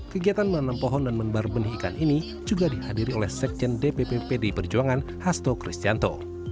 kegiatan menanam pohon dan membar benih ikan ini juga dihadiri oleh sekjen dpp pdi perjuangan hasto kristianto